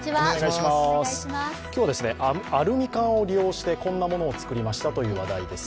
今日はアルミ缶を利用してこんなものを作りましたという話題です。